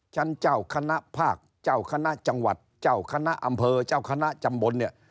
ชั้นเจ้าคณะภาคเจ้าคณะจังหวัดเจ้าคณะอำเภอเจ้าคณะจำบนเนี่ย